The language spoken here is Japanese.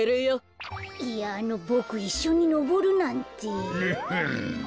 いやあのボクいっしょにのぼるなんて。おっほん。